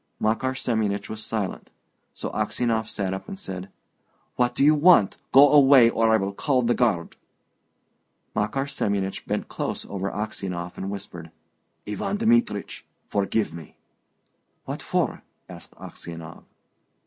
Makar Semyonich was silent. So Aksionov sat up and said, "What do you want? Go away, or I will call the guard!" Makar Semyonich bent close over Aksionov, and whispered, "Ivan Dmitrich, forgive me!" "What for?" asked Aksionov.